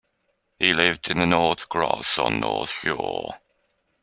He lived in Northcross on the North Shore.